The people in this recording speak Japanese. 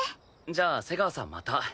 じゃあ瀬川さんまた。